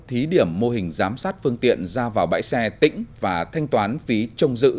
thí điểm mô hình giám sát phương tiện ra vào bãi xe tỉnh và thanh toán phí trông giữ